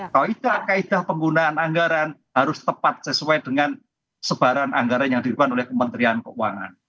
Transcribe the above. kaedah kaedah penggunaan anggaran harus tepat sesuai dengan sebaran anggaran yang diperlukan oleh kementerian keuangan